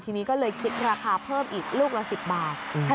ทีนี้ก็เลยคิดราคาเพิ่มอีกลูกละ๑๐บาท